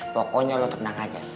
pokoknya lu tenang aja